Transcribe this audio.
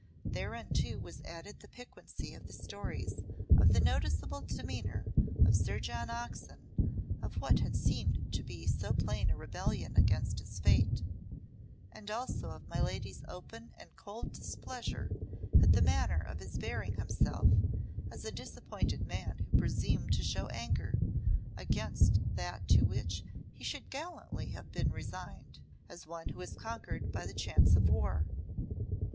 Thereunto was added the piquancy of the stories of the noticeable demeanour of Sir John Oxon, of what had seemed to be so plain a rebellion against his fate, and also of my lady's open and cold displeasure at the manner of his bearing himself as a disappointed man who presumed to show anger against that to which he should gallantly have been resigned, as one who is conquered by the chance of war.